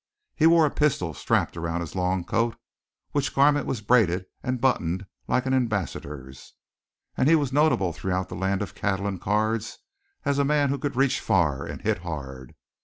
He wore a pistol strapped around his long coat, which garment was braided and buttoned like an ambassador's, and he was notable throughout the land of cattle and cards as a man who could reach far and hit hard.